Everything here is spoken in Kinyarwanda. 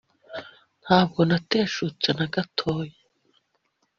ntabwo nateshutse na gatoya